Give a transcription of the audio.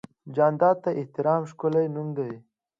جانداد د احترام ښکلی نوم دی.